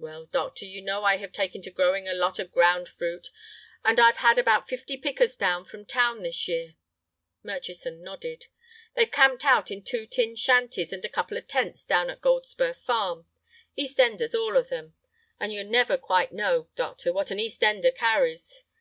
"Well, doctor, you know I have taken to growing a lot of ground fruit, and I've had about fifty pickers down from town this year." Murchison nodded. "They're camped out in two tin shanties and a couple of tents down at Goldspur Farm. East enders, all of them; and you never quite know, doctor, what an East ender carries.